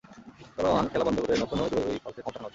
চলমান খেলা বন্ধ করে নতুন ও যুগোপযোগী কাউকে ক্ষমতায় আনা উচিত।